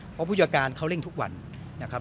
เพราะผู้จัดการเขาเร่งทุกวันนะครับ